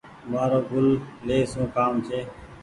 مآرو گل لي سون ڪآم ڇي۔